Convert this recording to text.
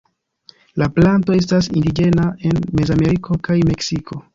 La planto estas indiĝena en Mezameriko kaj Meksiko.